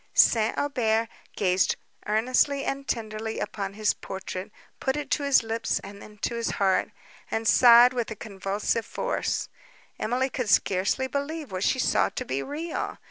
St. Aubert gazed earnestly and tenderly upon his portrait, put it to his lips, and then to his heart, and sighed with a convulsive force. Emily could scarcely believe what she saw to be real.